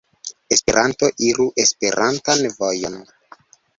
Esperanto iru Esperantan vojon.